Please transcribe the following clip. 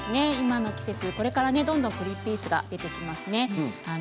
これから、どんどんグリンピースが出てきますね。